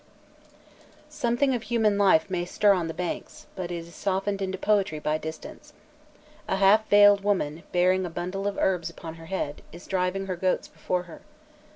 Something of human life may stir on the banks, but it is softened into poetry by distance. A half veiled woman, bearing a bundle of herbs upon her head, is driving her goats before her.